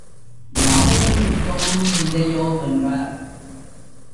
யாதொரு துக்கமும் இல்லையோ வென்றார்.